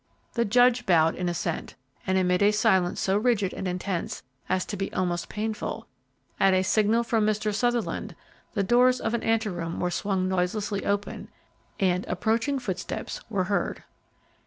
The judge bowed in assent, and amid a silence so rigid and intense as to be almost painful, at a signal from Mr. Sutherland, the doors of an anteroom were swung noiselessly open and approaching footsteps were heard.